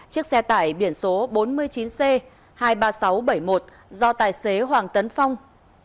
chiếc xe tải biển số bốn mươi chín c hai mươi ba nghìn sáu trăm bảy mươi một do tài xế hoàng tấn phong